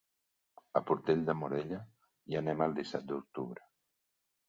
A Portell de Morella hi anem el disset d'octubre.